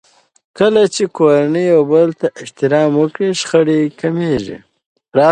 کله چې کورنۍ يو بل ته احترام وکړي، شخړې کمېږي.